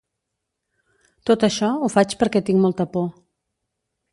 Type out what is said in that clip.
Tot això ho faig perquè tinc molta por.